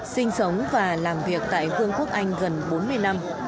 sinh sống và làm việc tại vương quốc anh gần bốn mươi năm